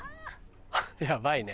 ヤバいね。